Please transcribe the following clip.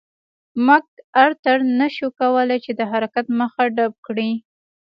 مک ارتر نه شوای کولای چې د حرکت مخه ډپ کړي.